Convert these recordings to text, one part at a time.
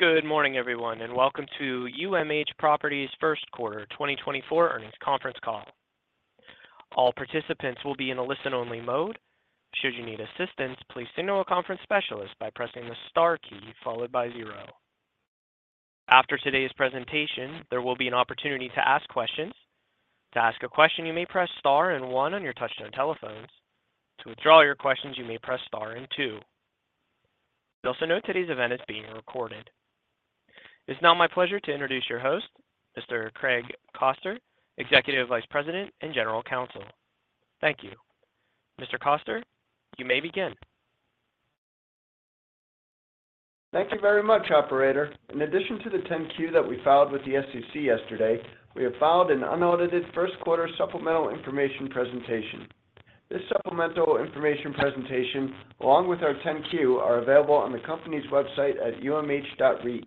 Good morning, everyone, and welcome to UMH Properties' First Quarter 2024 Earnings Conference Call. All participants will be in a listen-only mode. Should you need assistance, please signal a conference specialist by pressing the Star key followed by zero. After today's presentation, there will be an opportunity to ask questions. To ask a question, you may press Star and one on your touchtone telephones. To withdraw your questions, you may press Star and two. You'll also note today's event is being recorded. It's now my pleasure to introduce your host, Mr. Craig Koster, Executive Vice President and General Counsel. Thank you. Mr. Koster, you may begin. Thank you very much, operator. In addition to the 10-Q that we filed with the SEC yesterday, we have filed an unaudited first-quarter supplemental information presentation. This supplemental information presentation, along with our 10-Q, are available on the company's website at umh.reit.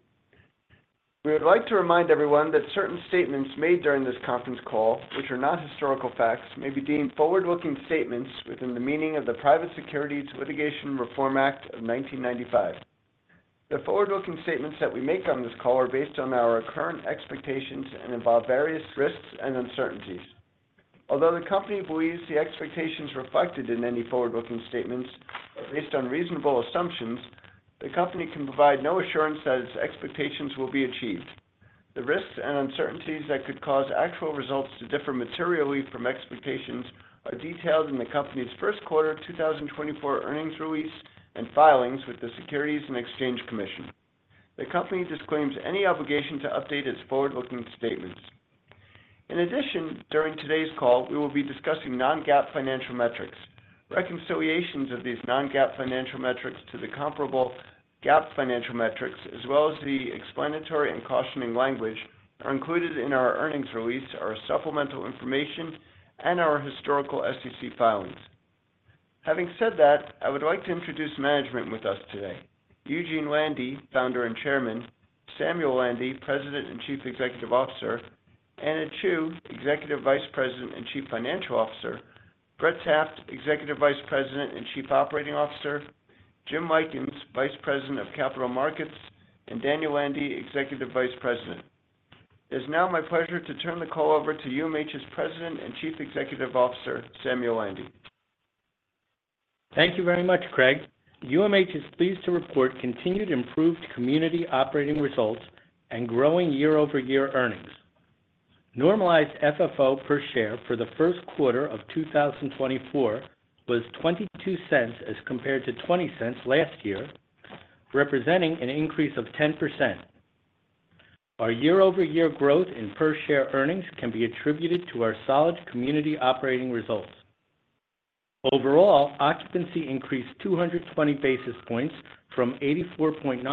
We would like to remind everyone that certain statements made during this conference call, which are not historical facts, may be deemed forward-looking statements within the meaning of the Private Securities Litigation Reform Act of 1995. The forward-looking statements that we make on this call are based on our current expectations and involve various risks and uncertainties. Although the company believes the expectations reflected in any forward-looking statements are based on reasonable assumptions, the company can provide no assurance that its expectations will be achieved. The risks and uncertainties that could cause actual results to differ materially from expectations are detailed in the company's first quarter 2024 earnings release and filings with the Securities and Exchange Commission. The company disclaims any obligation to update its forward-looking statements. In addition, during today's call, we will be discussing non-GAAP financial metrics. Reconciliations of these non-GAAP financial metrics to the comparable GAAP financial metrics, as well as the explanatory and cautioning language, are included in our earnings release, our supplemental information, and our historical SEC filings. Having said that, I would like to introduce management with us today. Eugene Landy, founder and Chairman, Samuel Landy, President and Chief Executive Officer, Anna T. Chew, Executive Vice President and Chief Financial Officer, Brett Taft, Executive Vice President and Chief Operating Officer, James Lykins, Vice President of Capital Markets, and Daniel Landy, Executive Vice President. It's now my pleasure to turn the call over to UMH's President and Chief Executive Officer, Samuel Landy. Thank you very much, Craig. UMH is pleased to report continued improved community operating results and growing year-over-year earnings. Normalized FFO per share for the first quarter of 2024 was $0.22, as compared to $0.20 last year, representing an increase of 10%. Our year-over-year growth in per-share earnings can be attributed to our solid community operating results. Overall, occupancy increased 220 basis points from 84.9%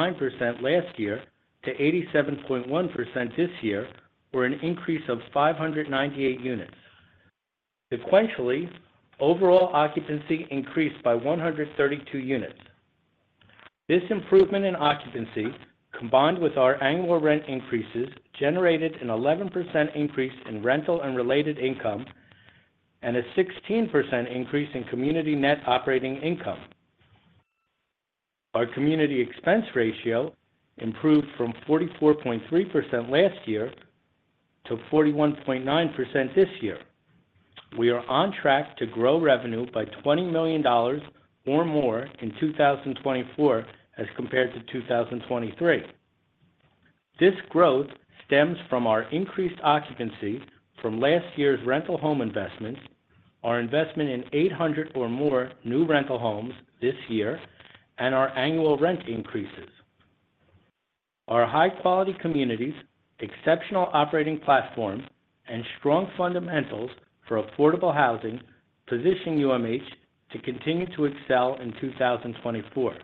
last year to 87.1% this year, or an increase of 598 units. Sequentially, overall occupancy increased by 132 units. This improvement in occupancy, combined with our annual rent increases, generated an 11% increase in rental and related income and a 16% increase in community net operating income. Our community expense ratio improved from 44.3% last year to 41.9% this year. We are on track to grow revenue by $20 million or more in 2024 as compared to 2023. This growth stems from our increased occupancy from last year's rental home investments, our investment in 800 or more new rental homes this year, and our annual rent increases. Our high-quality communities, exceptional operating platforms, and strong fundamentals for affordable housing position UMH to continue to excel in 2024.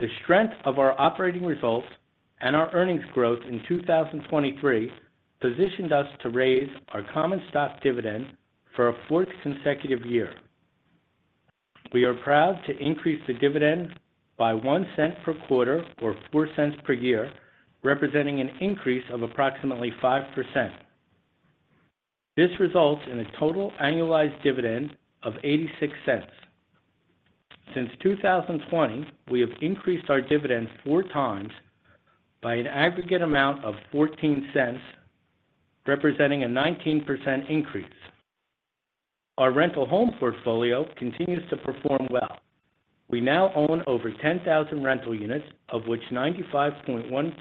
The strength of our operating results and our earnings growth in 2023 positioned us to raise our common stock dividend for a fourth consecutive year. We are proud to increase the dividend by $0.01 per quarter or $0.04 per year, representing an increase of approximately 5%. This results in a total annualized dividend of $0.86. Since 2020, we have increased our dividends four times by an aggregate amount of $0.14, representing a 19% increase. Our rental home portfolio continues to perform well. We now own over 10,000 rental units, of which 95.1%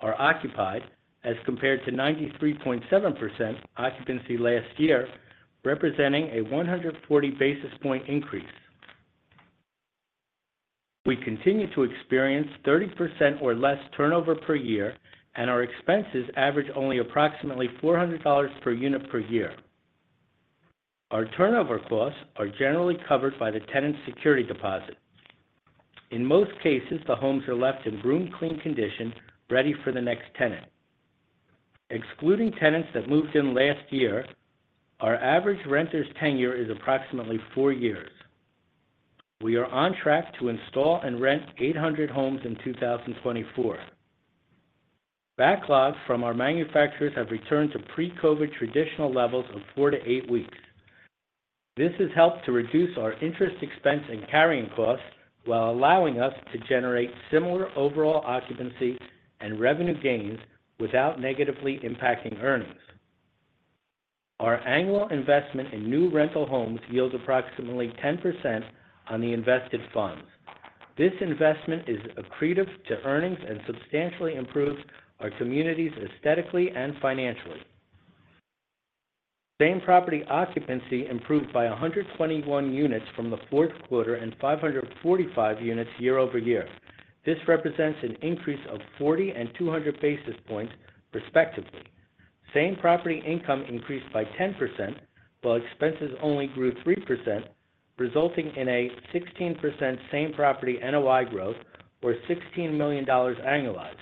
are occupied, as compared to 93.7% occupancy last year, representing a 140 basis point increase. We continue to experience 30% or less turnover per year, and our expenses average only approximately $400 per unit per year. Our turnover costs are generally covered by the tenant's security deposit. In most cases, the homes are left in broom clean condition, ready for the next tenant. Excluding tenants that moved in last year, our average renter's tenure is approximately four years. We are on track to install and rent 800 homes in 2024. Backlogs from our manufacturers have returned to pre-COVID traditional levels of four to eight weeks. This has helped to reduce our interest expense and carrying costs, while allowing us to generate similar overall occupancy and revenue gains without negatively impacting earnings. Our annual investment in new rental homes yields approximately 10% on the invested funds. This investment is accretive to earnings and substantially improves our communities aesthetically and financially. Same-property occupancy improved by 121 units from the fourth quarter and 545 units year-over-year. This represents an increase of 40 and 200 basis points respectively. Same-property income increased by 10%, while expenses only grew 3%, resulting in a 16% same-property NOI growth or $16 million annualized.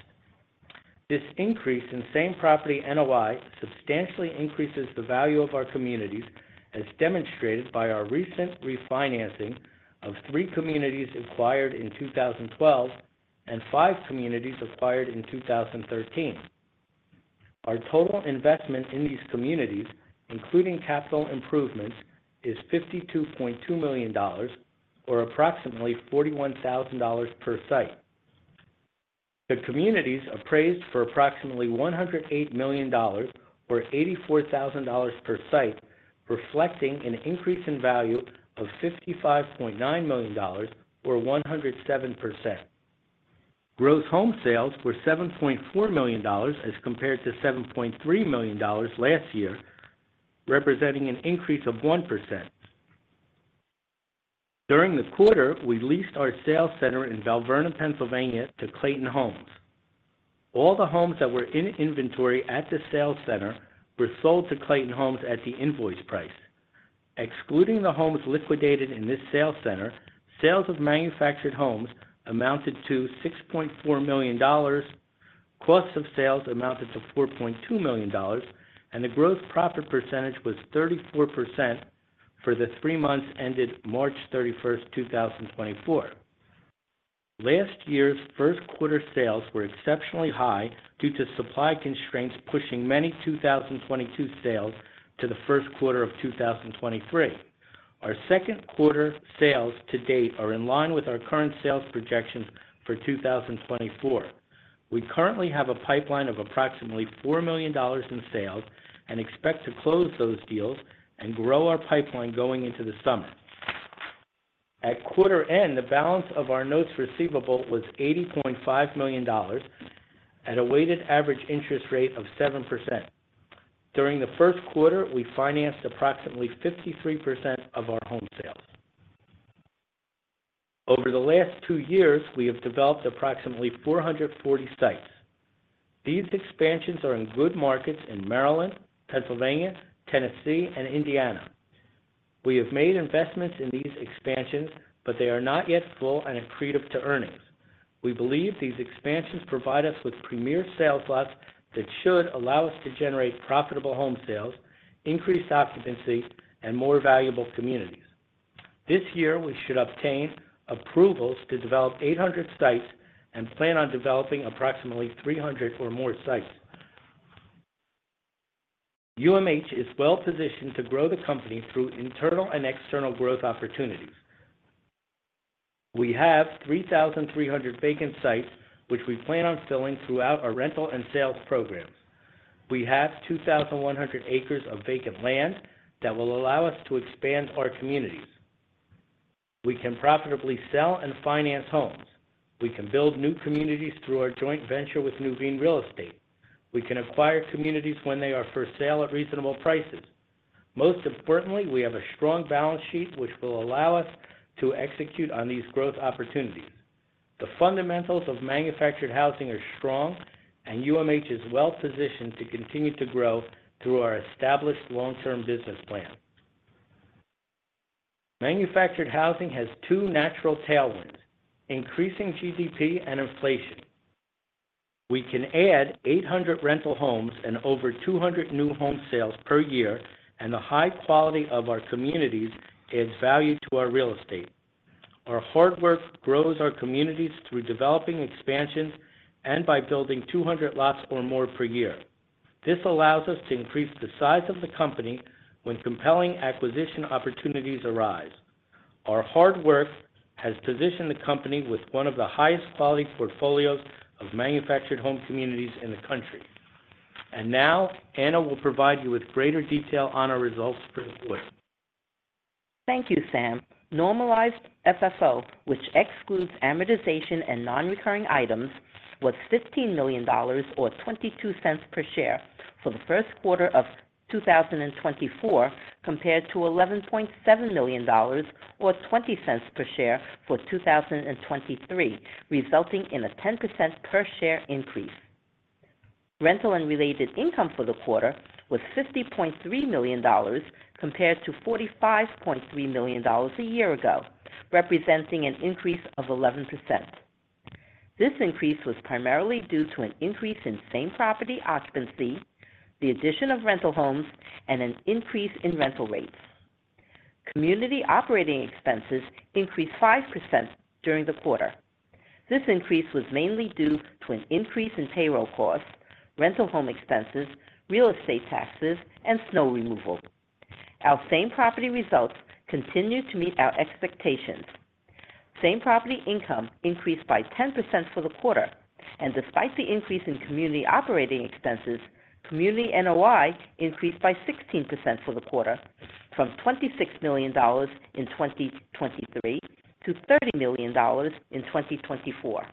This increase in same-property NOI substantially increases the value of our communities, as demonstrated by our recent refinancing of three communities acquired in 2012, and five communities acquired in 2013. Our total investment in these communities, including capital improvements, is $52.2 million or approximately $41,000 per site. The communities appraised for approximately $108 million or $84,000 per site, reflecting an increase in value of $55.9 million or 107%. Gross home sales were $7.4 million as compared to $7.3 million last year, representing an increase of 1%. During the quarter, we leased our sales center in Belle Vernon, Pennsylvania to Clayton Homes. All the homes that were in inventory at the sales center were sold to Clayton Homes at the invoice price. Excluding the homes liquidated in this sales center, sales of manufactured homes amounted to $6.4 million, costs of sales amounted to $4.2 million, and the gross profit percentage was 34% for the three months ended March 31, 2024. Last year's first quarter sales were exceptionally high due to supply constraints, pushing many 2022 sales to the first quarter of 2023. Our second quarter sales to date are in line with our current sales projections for 2024. We currently have a pipeline of approximately $4 million in sales and expect to close those deals and grow our pipeline going into the summer. At quarter end, the balance of our notes receivable was $80.5 million at a weighted average interest rate of 7%. During the first quarter, we financed approximately 53% of our home sales. Over the last two years, we have developed approximately 440 sites. These expansions are in good markets in Maryland, Pennsylvania, Tennessee, and Indiana. We have made investments in these expansions, but they are not yet full and accretive to earnings. We believe these expansions provide us with premier sales lots that should allow us to generate profitable home sales, increased occupancy, and more valuable communities. This year, we should obtain approvals to develop 800 sites and plan on developing approximately 300 or more sites. UMH is well-positioned to grow the company through internal and external growth opportunities. We have 3,300 vacant sites, which we plan on filling throughout our rental and sales programs. We have 2,100 acres of vacant land that will allow us to expand our communities. We can profitably sell and finance homes. We can build new communities through our joint venture with Nuveen Real Estate. We can acquire communities when they are for sale at reasonable prices. Most importantly, we have a strong balance sheet, which will allow us to execute on these growth opportunities. The fundamentals of manufactured housing are strong, and UMH is well-positioned to continue to grow through our established long-term business plan. Manufactured housing has two natural tailwinds: increasing GDP and inflation. We can add 800 rental homes and over 200 new home sales per year, and the high quality of our communities adds value to our real estate. Our hard work grows our communities through developing expansions and by building 200 lots or more per year. This allows us to increase the size of the company when compelling acquisition opportunities arise. Our hard work has positioned the company with one of the highest quality portfolios of manufactured home communities in the country. Now, Anna will provide you with greater detail on our results for the quarter. Thank you, Sam. Normalized FFO, which excludes amortization and non-recurring items, was $15 million or $0.22 per share for the first quarter of 2024, compared to $11.7 million or $0.20 per share for 2023, resulting in a 10% per share increase. Rental and related income for the quarter was $50.3 million, compared to $45.3 million a year ago, representing an increase of 11%. This increase was primarily due to an increase in same-property occupancy, the addition of rental homes, and an increase in rental rates. Community operating expenses increased 5% during the quarter. This increase was mainly due to an increase in payroll costs, rental home expenses, real estate taxes, and snow removal. Our same property results continued to meet our expectations. Same property income increased by 10% for the quarter, and despite the increase in community operating expenses, community NOI increased by 16% for the quarter, from $26 million in 2023 to $30 million in 2024.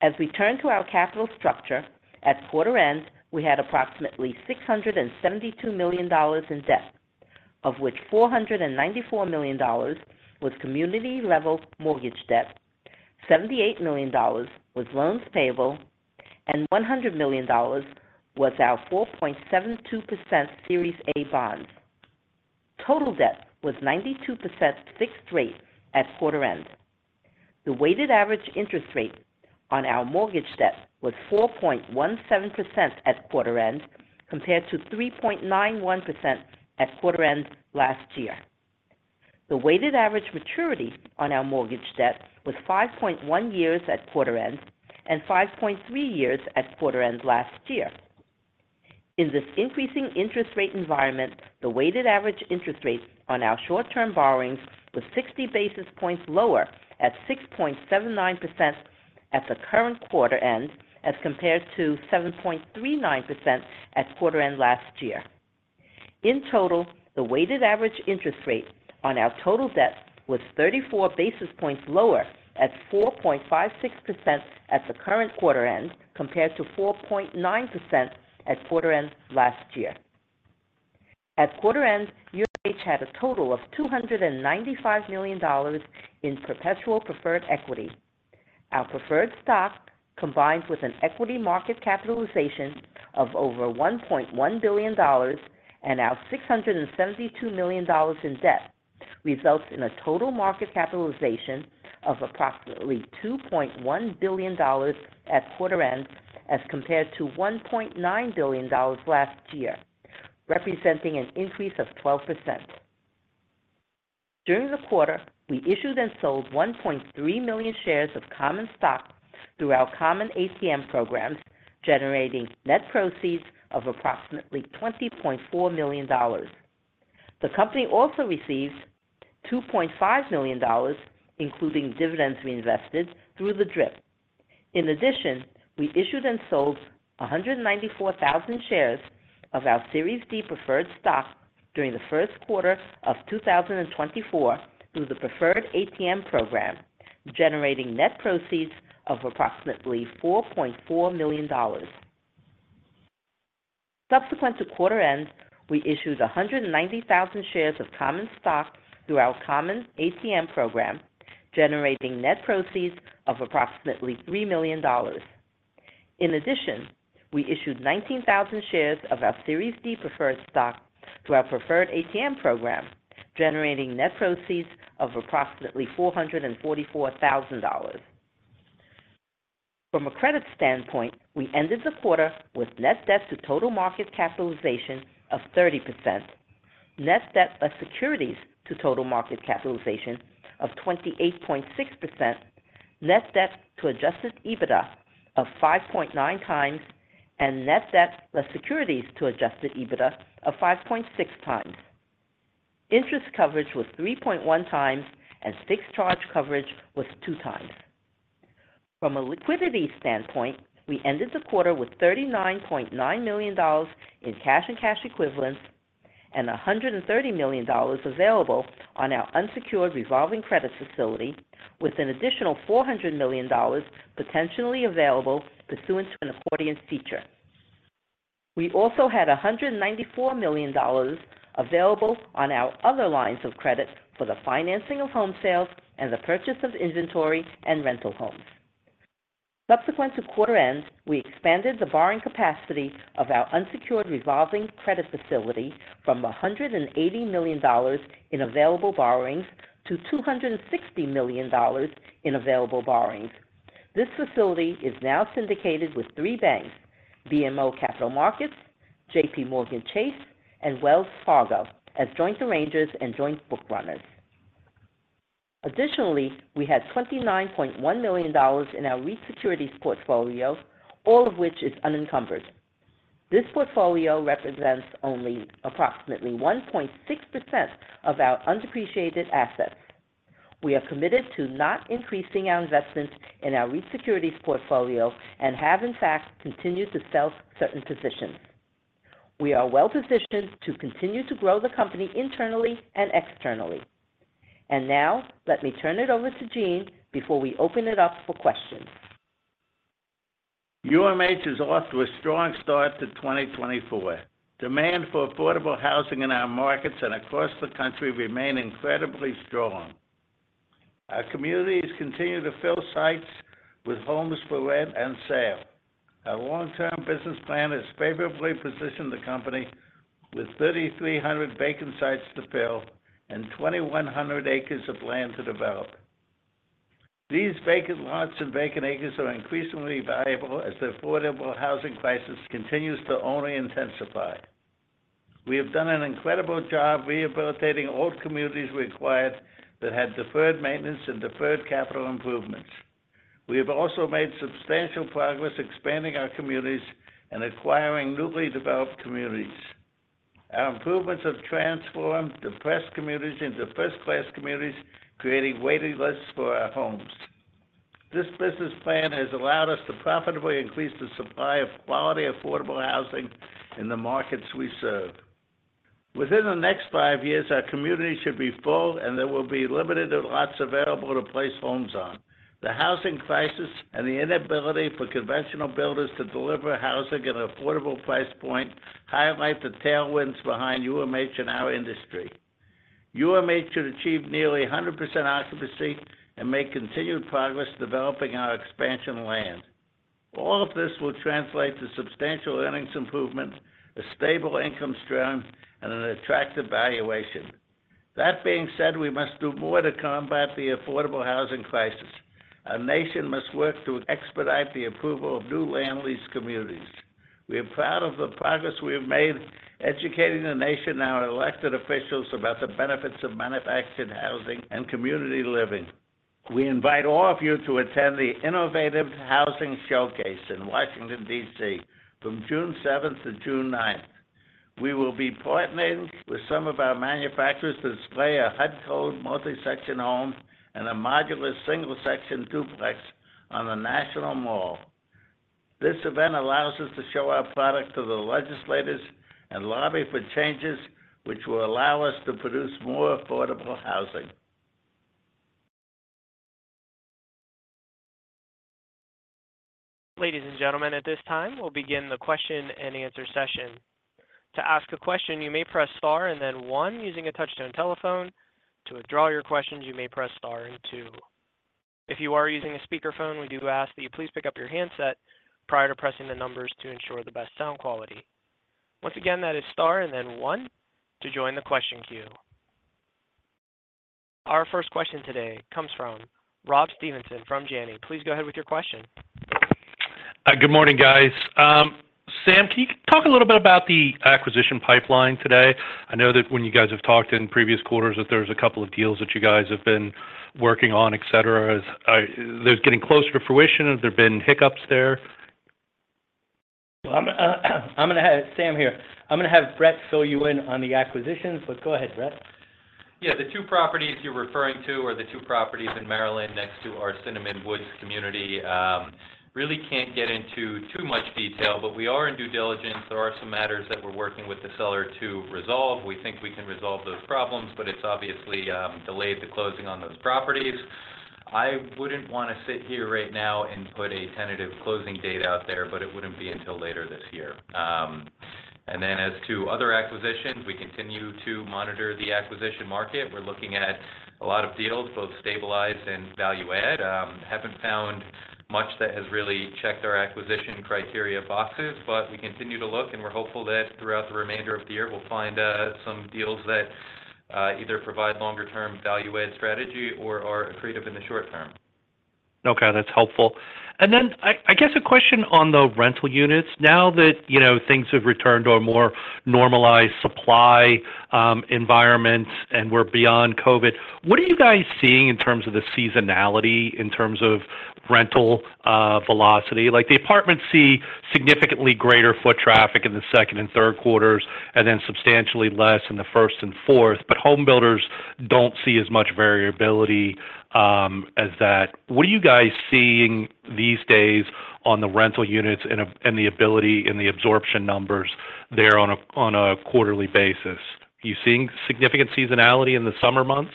As we turn to our capital structure, at quarter end, we had approximately $672 million in debt, of which $494 million was community-level mortgage debt, $78 million was loans payable, and $100 million was our 4.72% Series A bond. Total debt was 92% fixed rate at quarter end. The weighted average interest rate on our mortgage debt was 4.17% at quarter end, compared to 3.91% at quarter end last year. The weighted average maturity on our mortgage debt was 5.1 years at quarter end, and 5.3 years at quarter end last year. In this increasing interest rate environment, the weighted average interest rate on our short-term borrowings was 60 basis points lower at 6.79% at the current quarter end, as compared to 7.39% at quarter end last year. In total, the weighted average interest rate on our total debt was 34 basis points lower at 4.56% at the current quarter end, compared to 4.9% at quarter end last year. At quarter end, UMH had a total of $295 million in perpetual preferred equity. Our preferred stock, combined with an equity market capitalization of over $1.1 billion and our $672 million in debt, results in a total market capitalization of approximately $2.1 billion at quarter end, as compared to $1.9 billion last year, representing an increase of 12%. During the quarter, we issued and sold 1.3 million shares of common stock through our common ATM programs, generating net proceeds of approximately $20.4 million. The company also received $2.5 million, including dividends reinvested through the DRIP. In addition, we issued and sold 194,000 shares of our Series D preferred stock during the first quarter of 2024 through the preferred ATM program, generating net proceeds of approximately $4.4 million. Subsequent to quarter end, we issued 190,000 shares of common stock through our common ATM program, generating net proceeds of approximately $3 million. In addition, we issued 19,000 shares of our Series D preferred stock through our preferred ATM program, generating net proceeds of approximately $444,000. From a credit standpoint, we ended the quarter with net debt to total market capitalization of 30%, net debt less securities to total market capitalization of 28.6%, net debt to adjusted EBITDA of 5.9x, and net debt, less securities to adjusted EBITDA of 5.6x. Interest coverage was 3.1x, and fixed charge coverage was 2x. From a liquidity standpoint, we ended the quarter with $39.9 million in cash and cash equivalents, and $130 million available on our unsecured revolving credit facility, with an additional $400 million potentially available pursuant to an accordion feature. We also had $194 million available on our other lines of credit for the financing of home sales and the purchase of inventory and rental homes. Subsequent to quarter end, we expanded the borrowing capacity of our unsecured revolving credit facility from $180 million in available borrowings to $260 million in available borrowings. This facility is now syndicated with three banks, BMO Capital Markets, JPMorgan Chase, and Wells Fargo, as joint arrangers and joint book runners. Additionally, we had $29.1 million in our REIT securities portfolio, all of which is unencumbered. This portfolio represents only approximately 1.6% of our undepreciated assets. We are committed to not increasing our investment in our REIT securities portfolio and have, in fact, continued to sell certain positions. We are well-positioned to continue to grow the company internally and externally. And now, let me turn it over to Gene before we open it up for questions. UMH is off to a strong start to 2024. Demand for affordable housing in our markets and across the country remain incredibly strong. Our communities continue to fill sites with homes for rent and sale. Our long-term business plan has favorably positioned the company with 3,300 vacant sites to fill and 2,100 acres of land to develop. These vacant lots and vacant acres are increasingly valuable as the affordable housing crisis continues to only intensify. We have done an incredible job rehabilitating old communities we acquired that had deferred maintenance and deferred capital improvements. We have also made substantial progress expanding our communities and acquiring newly developed communities. Our improvements have transformed depressed communities into first-class communities, creating waiting lists for our homes. This business plan has allowed us to profitably increase the supply of quality, affordable housing in the markets we serve. Within the next five years, our communities should be full, and there will be limited lots available to place homes on. The housing crisis and the inability for conventional builders to deliver housing at an affordable price point highlight the tailwinds behind UMH in our industry. UMH should achieve nearly 100% occupancy and make continued progress developing our expansion land. All of this will translate to substantial earnings improvements, a stable income stream, and an attractive valuation. That being said, we must do more to combat the affordable housing crisis. Our nation must work to expedite the approval of new land lease communities. We are proud of the progress we have made educating the nation and our elected officials about the benefits of manufactured housing and community living. We invite all of you to attend the Innovative Housing Showcase in Washington, D.C., from June 7 to June 9. We will be partnering with some of our manufacturers to display a HUD Code Multi-Section Home and a Modular Single-Section Duplex on the National Mall. This event allows us to show our product to the legislators and lobby for changes, which will allow us to produce more affordable housing. Ladies and gentlemen, at this time, we'll begin the question-and-answer session. To ask a question, you may press star and then one using a touchtone telephone. To withdraw your questions, you may press star and two. If you are using a speakerphone, we do ask that you please pick up your handset prior to pressing the numbers to ensure the best sound quality. Once again, that is star and then one to join the question queue. Our first question today comes from Rob Stevenson from Janney. Please go ahead with your question. Hi, good morning, guys. Sam, can you talk a little bit about the acquisition pipeline today? I know that when you guys have talked in previous quarters, that there's a couple of deals that you guys have been working on, et cetera. As they're getting close to fruition, have there been hiccups there? I'm going to have Sam here. I'm going to have Brett fill you in on the acquisitions, but go ahead, Brett. Yeah. The two properties you're referring to are the two properties in Maryland next to our Cinnamon Woods community. Really can't get into too much detail, but we are in due diligence. There are some matters that we're working with the seller to resolve. We think we can resolve those problems, but it's obviously delayed the closing on those properties. I wouldn't want to sit here right now and put a tentative closing date out there, but it wouldn't be until later this year. And then as to other acquisitions, we continue to monitor the acquisition market. We're looking at a lot of deals, both stabilized and value add. Haven't found much that has really checked our acquisition criteria boxes, but we continue to look, and we're hopeful that throughout the remainder of the year, we'll find some deals that either provide longer-term value add strategy or are accretive in the short term. Okay, that's helpful. And then I guess a question on the rental units. Now that, you know, things have returned to a more normalized supply environment and we're beyond COVID, what are you guys seeing in terms of the seasonality, in terms of rental velocity? Like, the apartments see significantly greater foot traffic in the second and third quarters, and then substantially less in the first and fourth, but home builders don't see as much variability as that. What are you guys seeing these days on the rental units and the ability and the absorption numbers there on a quarterly basis? Are you seeing significant seasonality in the summer months?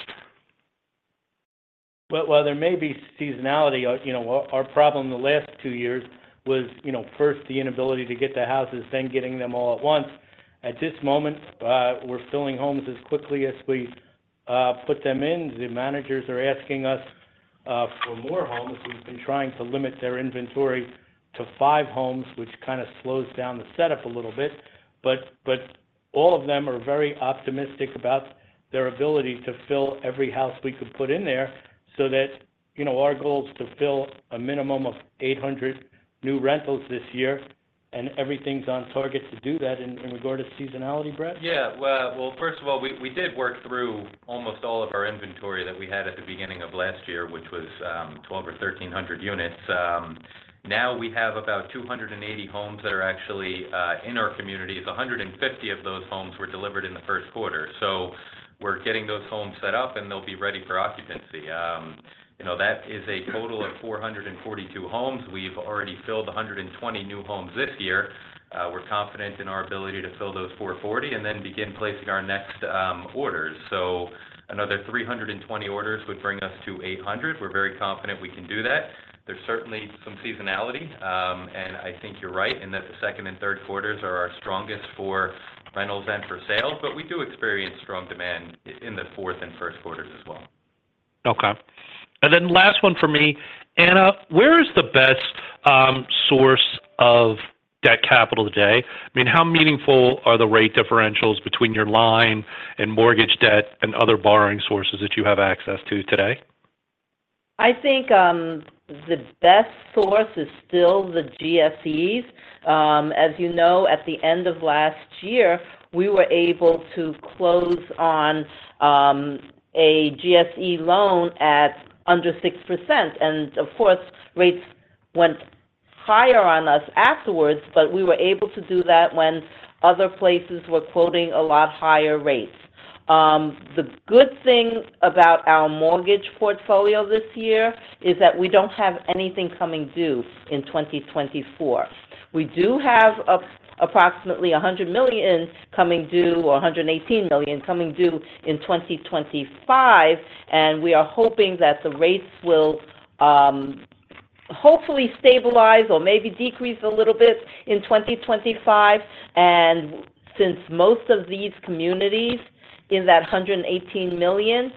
Well, while there may be seasonality, you know, our, our problem the last two years was, you know, first the inability to get the houses, then getting them all at once. At this moment, we're filling homes as quickly as we put them in. The managers are asking us for more homes. We've been trying to limit their inventory to five homes, which kind of slows down the setup a little bit. But, but all of them are very optimistic about their ability to fill every house we could put in there so that, you know, our goal is to fill a minimum of 800 new rentals this year, and everything's on target to do that. In, in regard to seasonality, Brett? Yeah. Well, first of all, we did work through almost all of our inventory that we had at the beginning of last year, which was 1,200 or 1,300 units. Now we have about 280 homes that are actually in our communities. 150 of those homes were delivered in the first quarter. So we're getting those homes set up, and they'll be ready for occupancy. You know, that is a total of 442 homes. We've already filled 120 new homes this year. We're confident in our ability to fill those 440 and then begin placing our next orders. So another 320 orders would bring us to 800. We're very confident we can do that. There's certainly some seasonality, and I think you're right in that the second and third quarters are our strongest for rentals and for sales, but we do experience strong demand in the fourth and first quarters as well. Okay. And then last one for me. Anna, where is the best source-debt capital today. I mean, how meaningful are the rate differentials between your line and mortgage debt and other borrowing sources that you have access to today? I think, the best source is still the GSEs. As you know, at the end of last year, we were able to close on, a GSE loan at under 6%, and of course, rates went higher on us afterwards, but we were able to do that when other places were quoting a lot higher rates. The good thing about our mortgage portfolio this year, is that we don't have anything coming due in 2024. We do have approximately $100 million coming due, or $118 million coming due in 2025, and we are hoping that the rates will, hopefully stabilize or maybe decrease a little bit in 2025. And since most of these communities in that $118 million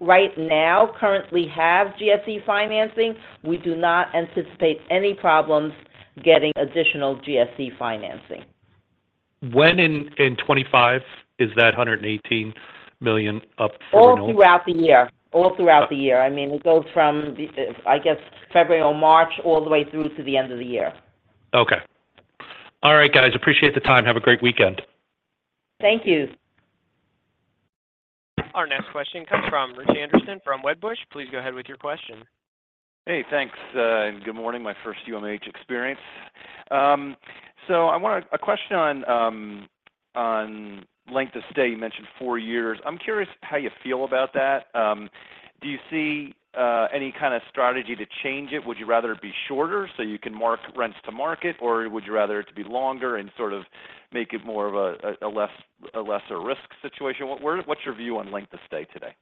right now currently have GSE financing, we do not anticipate any problems getting additional GSE financing. When in 2025 is that $118 million up for renewal? All throughout the year. All throughout the year. I mean, it goes from the, I guess, February or March, all the way through to the end of the year. Okay. All right, guys, appreciate the time. Have a great weekend. Thank you. Our next question comes from Richard Anderson from Wedbush. Please go ahead with your question. Hey, thanks, and good morning. My first UMH experience. So I wanted a question on length of stay. You mentioned four years. I'm curious how you feel about that. Do you see any kind of strategy to change it? Would you rather it be shorter so you can mark rents to market, or would you rather it to be longer and sort of make it more of a less risk situation? What's your view on length of stay today?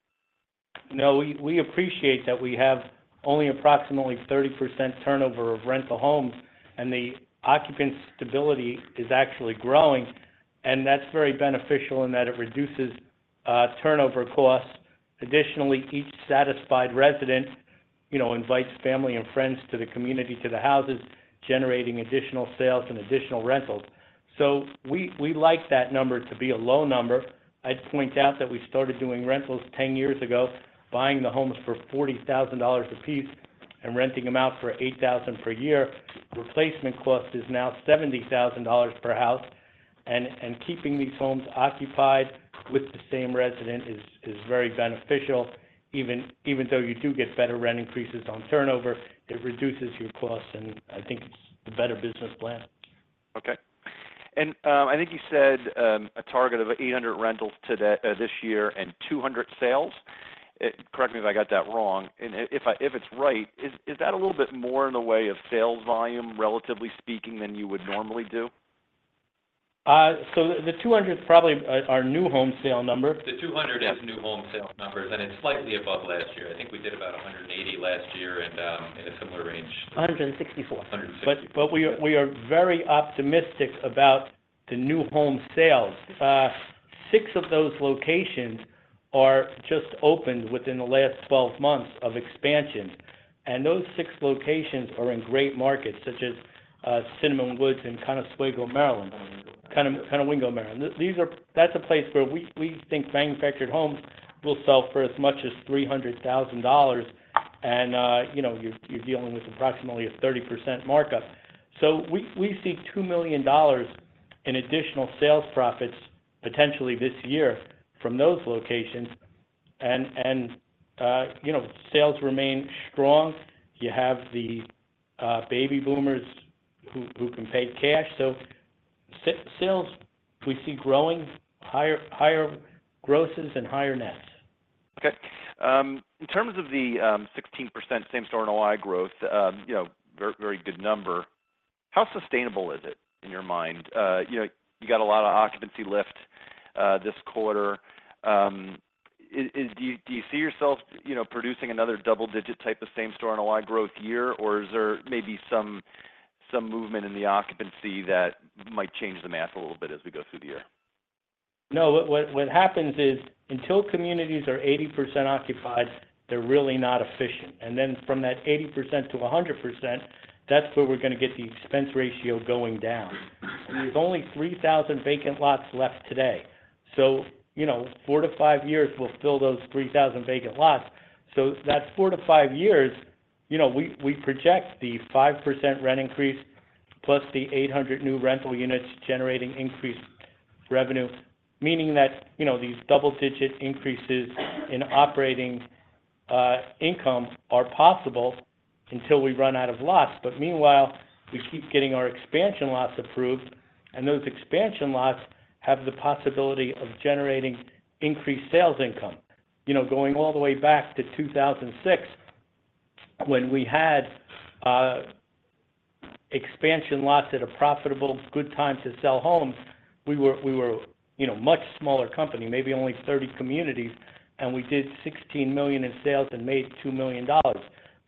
No, we, we appreciate that we have only approximately 30% turnover of rental homes, and the occupant stability is actually growing, and that's very beneficial in that it reduces turnover costs. Additionally, each satisfied resident, you know, invites family and friends to the community, to the houses, generating additional sales and additional rentals. So we, we like that number to be a low number. I'd point out that we started doing rentals 10 years ago, buying the homes for $40,000 apiece and renting them out for $8,000 per year. Replacement cost is now $70,000 per house, and, and keeping these homes occupied with the same resident is, is very beneficial, even, even though you do get better rent increases on turnover, it reduces your costs, and I think it's the better business plan. Okay. I think you said a target of 800 rentals today, this year, and 200 sales. Correct me if I got that wrong. If it's right, is that a little bit more in the way of sales volume, relatively speaking, than you would normally do? So the 200 is probably our new home sale number. The 200 is new home sales numbers, and it's slightly above last year. I think we did about 180 last year and, in a similar range. 164. 164. But we are very optimistic about the new home sales. Six of those locations are just opened within the last 12 months of expansion, and those six locations are in great markets, such as Cinnamon Woods and Conowingo, Maryland. Conowingo, Maryland. That's a place where we think manufactured homes will sell for as much as $300,000, and you know, you're dealing with approximately a 30% markup. So we see $2 million in additional sales profits potentially this year from those locations, and you know, sales remain strong. You have the baby boomers who can pay cash, so sales, we see growing higher, higher grosses and higher nets. Okay. In terms of the 16% same-store NOI growth, you know, very, very good number. How sustainable is it in your mind? You know, you got a lot of occupancy lift this quarter. Do you see yourself, you know, producing another double-digit type of same-store NOI growth year, or is there maybe some movement in the occupancy that might change the math a little bit as we go through the year? No, what happens is, until communities are 80% occupied, they're really not efficient. And then from that 80%-100%, that's where we're gonna get the expense ratio going down. There's only 3,000 vacant lots left today, so you know, four to five years, we'll fill those 3,000 vacant lots. So that four to five years, you know, we project the 5% rent increase, plus the 800 new rental units generating increased revenue, meaning that, you know, these double-digit increases in operating income are possible until we run out of lots. But meanwhile, we keep getting our expansion lots approved, and those expansion lots have the possibility of generating increased sales income. You know, going all the way back to 2006, when we had expansion lots at a profitable good time to sell homes, we were, you know, a much smaller company, maybe only 30 communities, and we did $16 million in sales and made $2 million.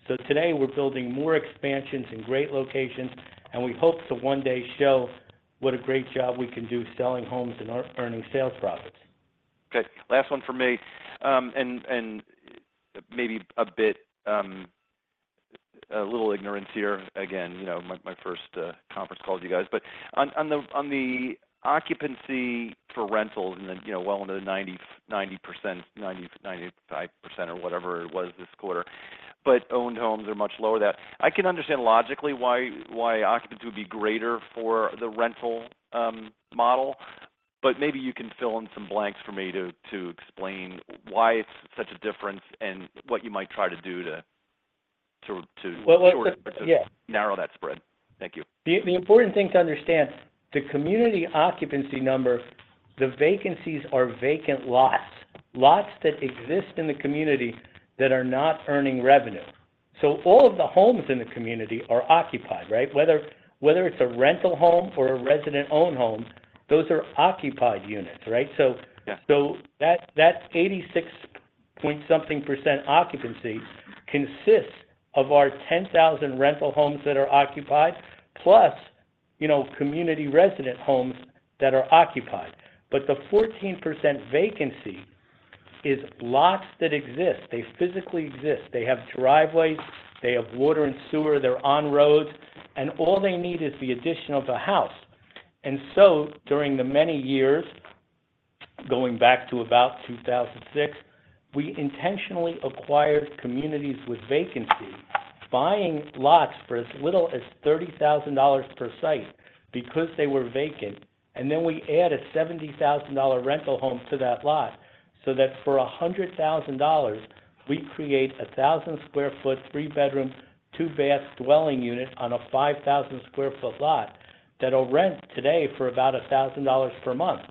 So today, we're building more expansions in great locations, and we hope to one day show what a great job we can do selling homes and earning sales profits.... Okay, last one for me. And maybe a bit of a little ignorance here. Again, you know, my first conference call with you guys. But on the occupancy for rentals, and then, you know, well into the 90%, 90%, 90%, 95% or whatever it was this quarter, but owned homes are much lower than that. I can understand logically why occupancy would be greater for the rental model, but maybe you can fill in some blanks for me to, to, to- Well, well, yeah. narrow that spread. Thank you. The important thing to understand, the community occupancy number, the vacancies are vacant lots, lots that exist in the community that are not earning revenue. So all of the homes in the community are occupied, right? Whether it's a rental home or a resident-owned home, those are occupied units, right? Yeah. So that 86-something% occupancy consists of our 10,000 rental homes that are occupied, plus, you know, community resident homes that are occupied. But the 14% vacancy is lots that exist. They physically exist. They have driveways, they have water and sewer, they're on roads, and all they need is the addition of the house. And so during the many years, going back to about 2006, we intentionally acquired communities with vacancy, buying lots for as little as $30,000 per site because they were vacant, and then we add a $70,000 rental home to that lot, so that for $100,000, we create a 1,000 sq ft, three-bedroom, two-bath dwelling unit on a 5,000 sq ft lot, that'll rent today for about $1,000 per month.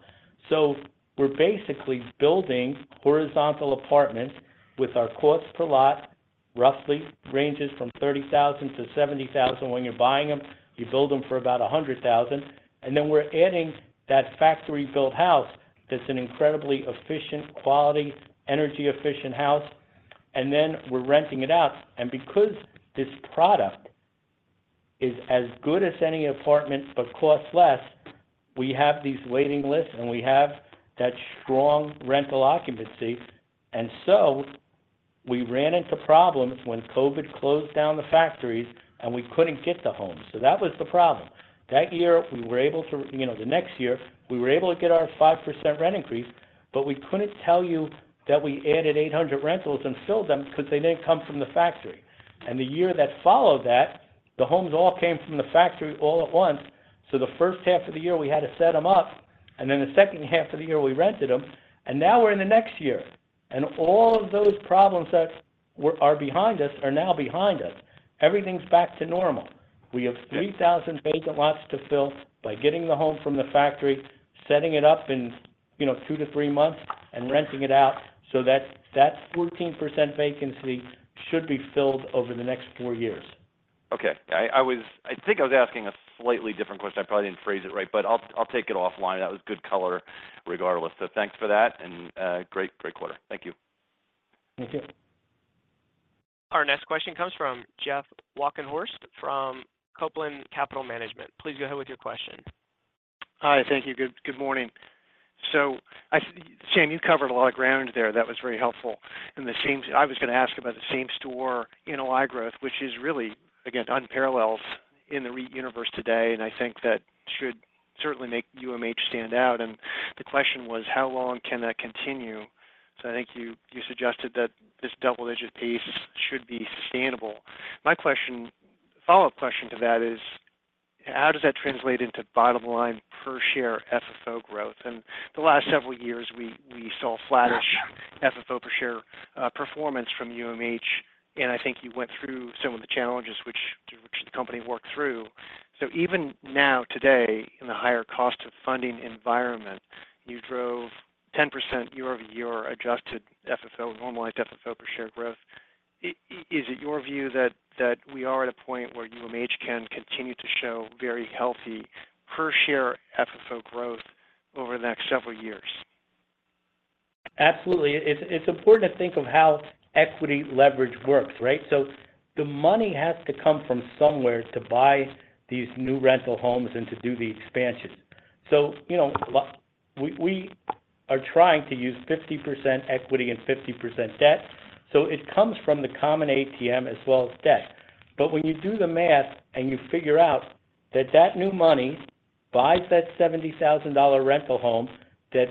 So we're basically building horizontal apartments with our costs per lot, roughly ranges from $30,000-$70,000 when you're buying them, you build them for about $100,000, and then we're adding that factory-built house that's an incredibly efficient, quality, energy-efficient house, and then we're renting it out. And because this product is as good as any apartment, but costs less, we have these waiting lists, and we have that strong rental occupancy. And so we ran into problems when COVID closed down the factories, and we couldn't get the homes. So that was the problem. That year, we were able to-- you know, the next year, we were able to get our 5% rent increase, but we couldn't tell you that we added 800 rentals and filled them because they didn't come from the factory. The year that followed that, the homes all came from the factory all at once. So the first half of the year, we had to set them up, and then the second half of the year, we rented them. And now we're in the next year, and all of those problems that are behind us, are now behind us. Everything's back to normal. Yeah. We have 3,000 vacant lots to fill by getting the home from the factory, setting it up in, you know, two to three months, and renting it out. So that, that 14% vacancy should be filled over the next four years. Okay. I think I was asking a slightly different question. I probably didn't phrase it right, but I'll take it offline. That was good color, regardless. So thanks for that, and great, great quarter. Thank you. Thank you. Our next question comes from Jeffrey Walkenhorst, from Copeland Capital Management. Please go ahead with your question. Hi, thank you. Good morning. So, Sam, you covered a lot of ground there. That was very helpful. And the same—I was going to ask about the same store NOI growth, which is really, again, unparalleled in the REIT universe today, and I think that should certainly make UMH stand out. And the question was, how long can that continue? So I think you suggested that this double-digit pace should be sustainable. My follow-up question to that is, how does that translate into bottom-line per-share FFO growth? And the last several years, we saw flattish FFO per share performance from UMH, and I think you went through some of the challenges which the company worked through. So even now, today, in the higher cost of funding environment, you drove 10% year-over-year adjusted FFO, normalized FFO per share growth. Is it your view that, that we are at a point where UMH can continue to show very healthy per share FFO growth over the next several years? Absolutely. It's, it's important to think of how equity leverage works, right? So the money has to come from somewhere to buy these new rental homes and to do the expansion. So, you know, we are trying to use 50% equity and 50% debt, so it comes from the common ATM as well as debt. But when you do the math and you figure out that that new money buys that $70,000 rental home, that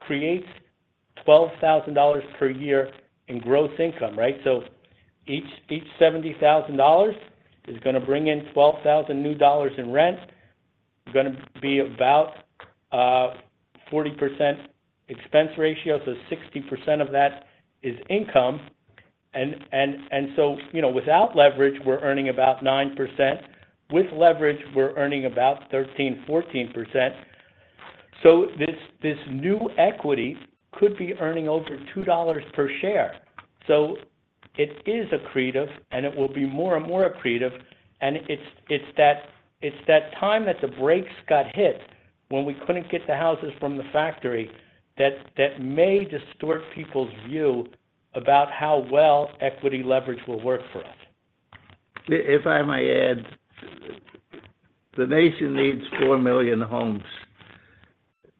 creates $12,000 per year in gross income, right? So each $70,000 is gonna bring in $12,000 new dollars in rent. It's gonna be about 40% expense ratio, so 60% of that is income. And so, you know, without leverage, we're earning about 9%. With leverage, we're earning about 13%-14%. So this new equity could be earning over $2 per share. So it is accretive, and it will be more and more accretive, and it's that time that the brakes got hit when we couldn't get the houses from the factory, that may distort people's view about how well equity leverage will work for us. If I may add the nation needs 4 million homes.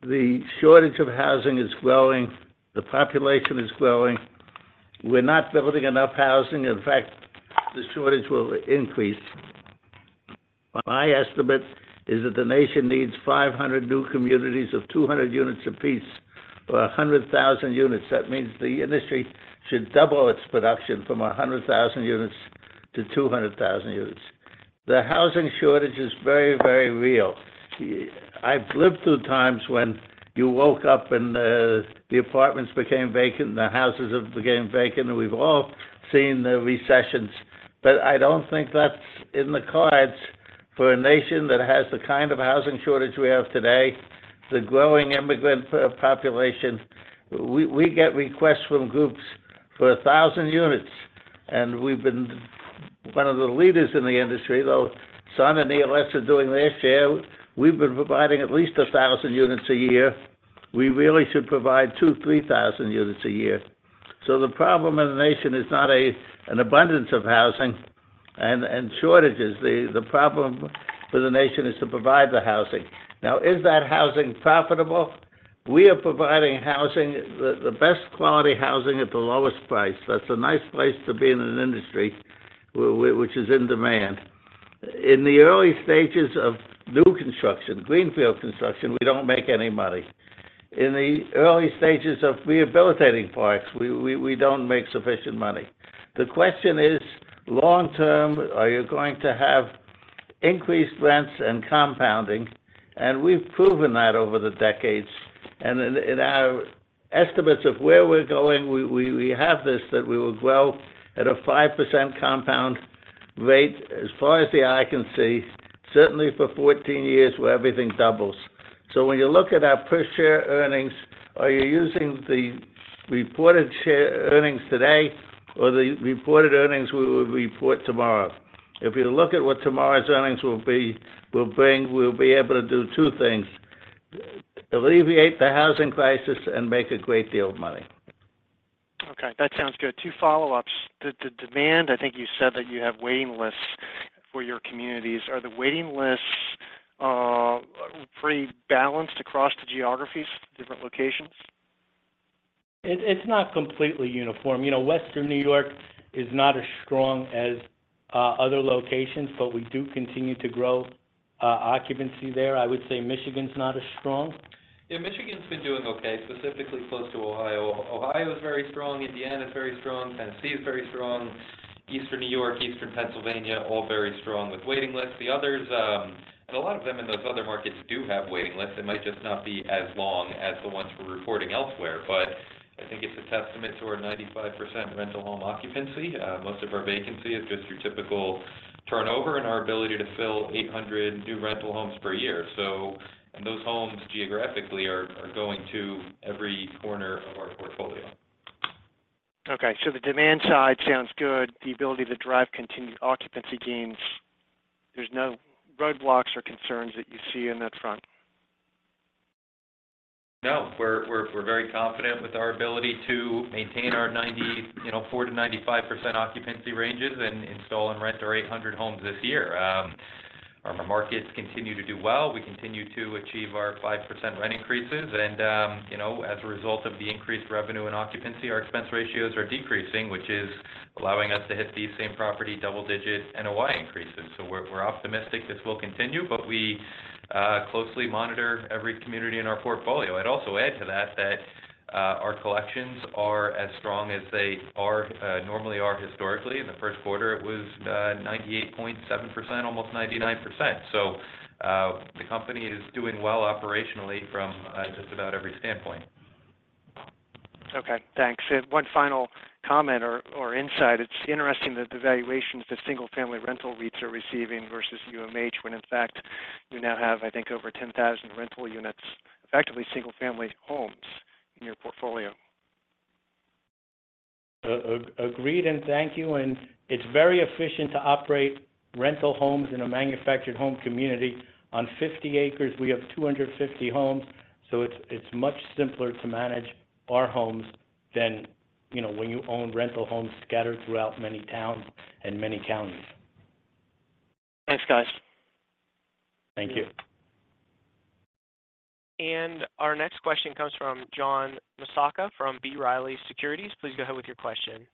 The shortage of housing is growing, the population is growing. We're not building enough housing. In fact, the shortage will increase. My estimate is that the nation needs 500 new communities of 200 units apiece, or 100,000 units. That means the industry should double its production from 100,000 units-200,000 units. The housing shortage is very, very real. Yeah, I've lived through times when you woke up and the apartments became vacant, the houses have became vacant, and we've all seen the recessions, but I don't think that's in the cards for a nation that has the kind of housing shortage we have today, the growing immigrant population. We get requests from groups for 1,000 units, and we've been one of the leaders in the industry, though Sun and ELS are doing their share. We've been providing at least 1,000 units a year. We really should provide 2,000 units-3,000 units a year. So the problem in the nation is not an abundance of housing and shortages. The problem for the nation is to provide the housing. Now, is that housing profitable? We are providing housing, the best quality housing at the lowest price. That's a nice place to be in an industry which is in demand. In the early stages of new construction, greenfield construction, we don't make any money. In the early stages of rehabilitating parks, we don't make sufficient money. The question is, long term, are you going to have increased rents and compounding? We've proven that over the decades, and in our estimates of where we're going, we have that we will grow at a 5% compound rate as far as the eye can see, certainly for 14 years, where everything doubles. When you look at our per share earnings, are you using the reported share earnings today or the reported earnings we will report tomorrow? If you look at what tomorrow's earnings will bring, we'll be able to do two things: alleviate the housing crisis and make a great deal of money. Okay, that sounds good. Two follow-ups. The demand, I think you said that you have waiting lists for your communities. Are the waiting lists pretty balanced across the geographies, different locations? It's not completely uniform. You know, Western New York is not as strong as other locations, but we do continue to grow occupancy there. I would say Michigan's not as strong. Yeah, Michigan's been doing okay, specifically close to Ohio. Ohio is very strong, Indiana is very strong, Tennessee is very strong, Eastern New York, Eastern Pennsylvania, all very strong with waiting lists. The others, a lot of them in those other markets do have waiting lists. They might just not be as long as the ones we're reporting elsewhere. But I think it's a testament to our 95% rental home occupancy. Most of our vacancy is just your typical turnover and our ability to fill 800 new rental homes per year. So, and those homes, geographically, are, are going to every corner of our portfolio. Okay, so the demand side sounds good. The ability to drive continued occupancy gains. There's no roadblocks or concerns that you see on that front? No, we're very confident with our ability to maintain our 90%-95% occupancy ranges and install and rent our 800 homes this year. Our markets continue to do well. We continue to achieve our 5% rent increases, and you know, as a result of the increased revenue and occupancy, our expense ratios are decreasing, which is allowing us to hit these same property double-digit NOI increases. So we're optimistic this will continue, but we closely monitor every community in our portfolio. I'd also add to that that our collections are as strong as they are normally are historically. In the first quarter, it was 98.7%, almost 99%. So the company is doing well operationally from just about every standpoint. Okay, thanks. And one final comment or, or insight. It's interesting that the valuations that single-family rental REITs are receiving versus UMH, when in fact, you now have, I think, over 10,000 rental units, effectively single-family homes in your portfolio. Agreed, and thank you. And it's very efficient to operate rental homes in a manufactured home community. On 50 acres, we have 250 homes, so it's much simpler to manage our homes than, you know, when you own rental homes scattered throughout many towns and many counties. Thanks, guys. Thank you. Our next question comes from John Massocca from B. Riley Securities. Please go ahead with your question.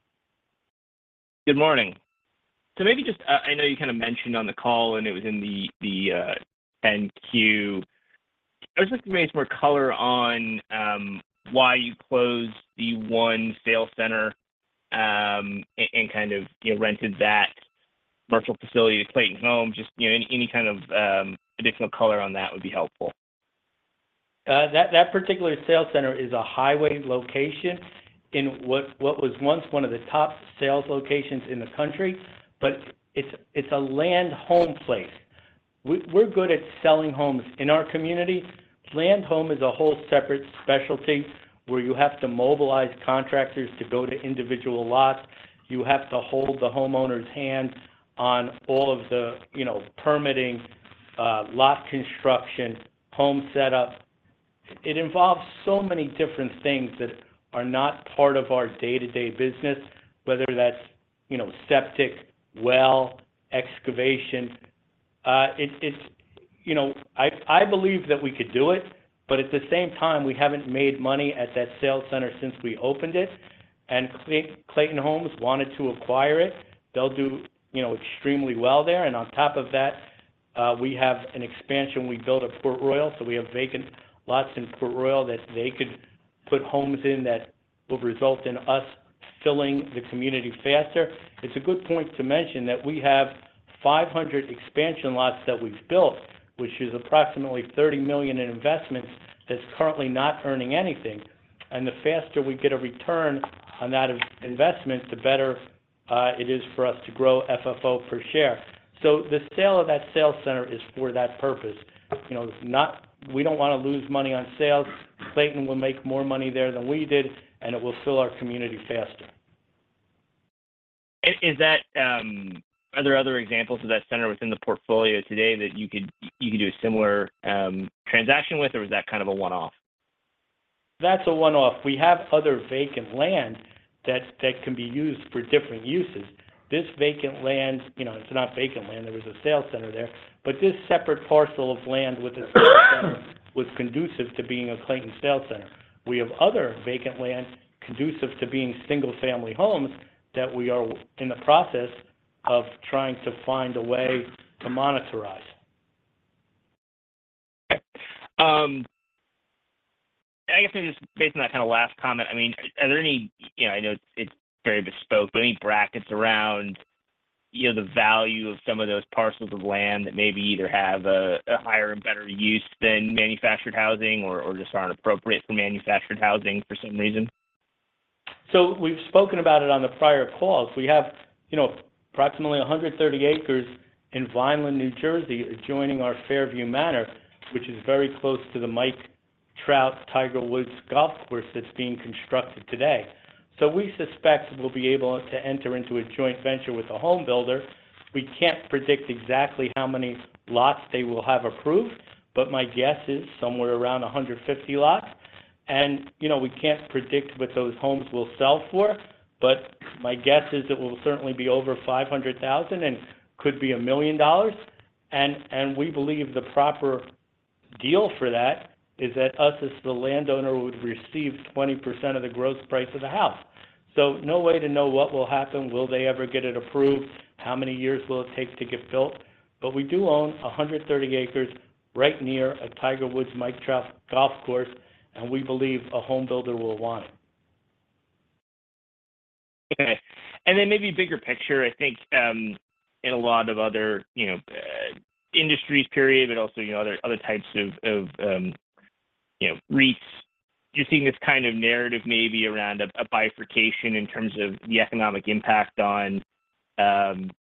Good morning. So maybe just, I know you kind of mentioned on the call and it was in the, the, 10-Q. I was looking to maybe some more color on, why you closed the one sales center, and, and kind of, you know, rented that commercial facility to Clayton Homes. Just, you know, any kind of, additional color on that would be helpful. That particular sales center is a highway location in what was once one of the top sales locations in the country, but it's a Land-Home place. We're good at selling homes in our community. Land-Home is a whole separate specialty where you have to mobilize contractors to go to individual lots. You have to hold the homeowner's hands on all of the, you know, permitting, lot construction, home setup. It involves so many different things that are not part of our day-to-day business, whether that's, you know, septic, well, excavation. It's, you know, I believe that we could do it, but at the same time, we haven't made money at that sales center since we opened it, and Clayton Homes wanted to acquire it. They'll do, you know, extremely well there, and on top of that, we have an expansion we built at Port Royal. So we have vacant lots in Port Royal that they could put homes in that will result in us filling the community faster. It's a good point to mention that we have 500 expansion lots that we've built, which is approximately $30 million in investments, that's currently not earning anything. And the faster we get a return on that investment, the better it is for us to grow FFO per share. So the sale of that sales center is for that purpose. You know, it's not. We don't wanna lose money on sales. Clayton will make more money there than we did, and it will fill our community faster. Is that... Are there other examples of that center within the portfolio today that you could do a similar transaction with, or was that kind of a one-off? That's a one-off. We have other vacant land that can be used for different uses. This vacant land, you know, it's not vacant land. There was a sales center there, but this separate parcel of land with a sales center was conducive to being a Clayton sales center. We have other vacant land, conducive to being single-family homes, that we are in the process of trying to find a way to monetize. Okay. I guess maybe just based on that kinda last comment, I mean, are there any... You know, I know it's, it's very bespoke, but any brackets around, you know, the value of some of those parcels of land that maybe either have a, a higher and better use than manufactured housing or, or just aren't appropriate for manufactured housing for some reason? So we've spoken about it on the prior calls. We have, you know, approximately 130 acres in Vineland, New Jersey, adjoining our Fairview Manor, which is very close to the Mike Trout Tiger Woods golf course that's being constructed today. So we suspect we'll be able to enter into a joint venture with a home builder. We can't predict exactly how many lots they will have approved, but my guess is somewhere around 150 lots. And, you know, we can't predict what those homes will sell for, but my guess is it will certainly be over $500,000 and could be $1 million. And, and we believe the proper deal for that is that us, as the landowner, would receive 20% of the gross price of the house. So no way to know what will happen. Will they ever get it approved? How many years will it take to get built? But we do own 130 acres right near a Tiger Woods Mike Trout golf course, and we believe a home builder will want it. Okay. And then maybe bigger picture, I think, in a lot of other, you know, industries, period, but also, you know, other types of, you know, REITs, you're seeing this kind of narrative maybe around a bifurcation in terms of the economic impact on,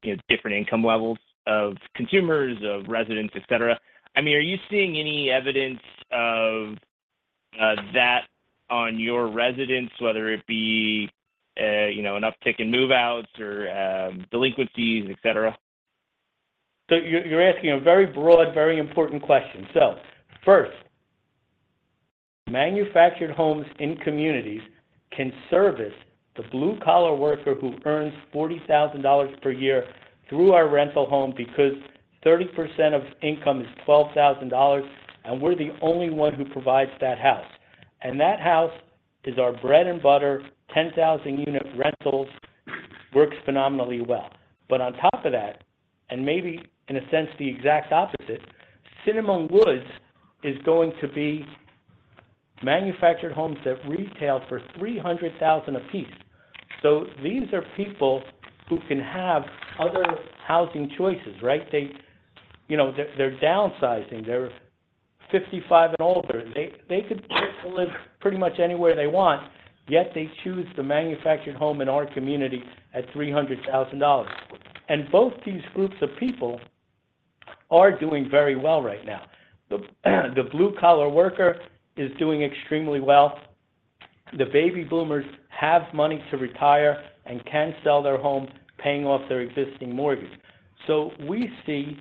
you know, different income levels of consumers, of residents, et cetera. I mean, are you seeing any evidence of that on your residents, whether it be, you know, an uptick in move-outs or, delinquencies, et cetera? So you're asking a very broad, very important question. So first, manufactured homes in communities can service the blue-collar worker who earns $40,000 per year through our rental home, because 30% of income is $12,000, and we're the only one who provides that house. And that house is our bread and butter, 10,000 unit rentals, works phenomenally well. But on top of that, and maybe in a sense, the exact opposite, Cinnamon Woods is going to be manufactured homes that retail for $300,000 apiece. So these are people who can have other housing choices, right? They, you know, they're downsizing. They're 55 and older. They, they could choose to live pretty much anywhere they want, yet they choose the manufactured home in our community at $300,000. Both these groups of people are doing very well right now. The blue-collar worker is doing extremely well. The baby boomers have money to retire and can sell their homes, paying off their existing mortgage. So we see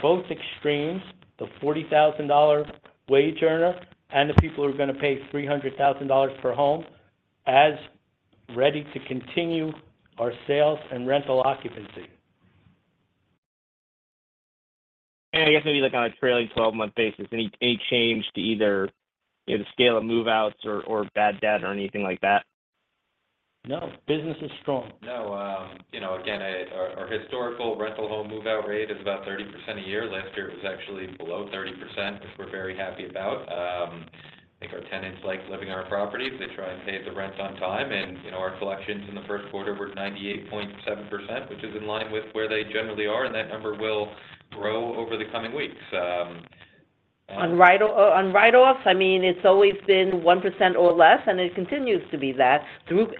both extremes, the $40,000 wage earner and the people who are gonna pay $300,000 per home, as ready to continue our sales and rental occupancy. I guess, maybe like on a trailing 12-month basis, any, any change to either, you know, the scale of move-outs or, or bad debt or anything like that? No, business is strong. No, you know, again, our historical rental home move-out rate is about 30% a year. Last year, it was actually below 30%, which we're very happy about. I think our tenants like living in our properties. They try and pay the rent on time, and, you know, our collections in the first quarter were 98.7%, which is in line with where they generally are, and that number will grow over the coming weeks. On write-offs, I mean, it's always been 1% or less, and it continues to be that through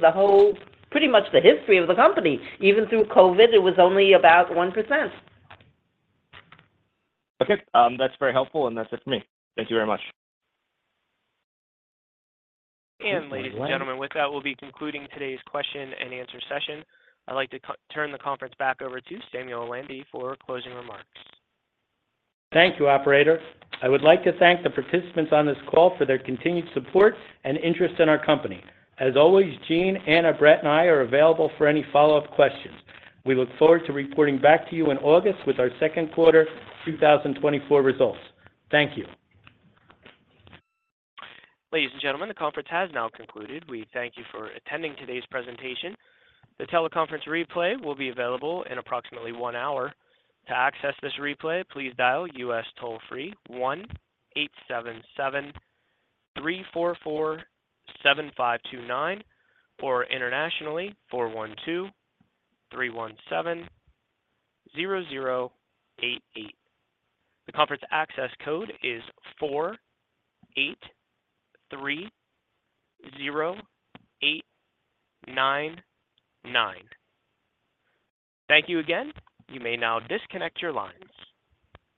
the whole, pretty much the history of the company. Even through COVID, it was only about 1%. Okay. That's very helpful, and that's it for me. Thank you very much. And ladies and gentlemen, with that, we'll be concluding today's question and answer session. I'd like to turn the conference back over to Samuel Landy for closing remarks. Thank you, operator. I would like to thank the participants on this call for their continued support and interest in our company. As always, Gene, Anna, Brett, and I are available for any follow-up questions. We look forward to reporting back to you in August with our second quarter 2024 results. Thank you. Ladies and gentlemen, the conference has now concluded. We thank you for attending today's presentation. The teleconference replay will be available in approximately one hour. To access this replay, please dial US toll-free 1-877-344-7529, or internationally 412-317-0088. The conference access code is 4830899. Thank you again. You may now disconnect your lines.